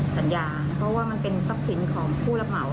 สัญญาเพราะว่ามันเป็นทรัพย์สินของผู้รับเหมา